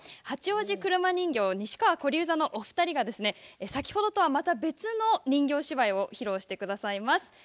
八王子車人形西川古柳座のお二人が、先ほどとはまた別の人形芝居を披露してくださいます。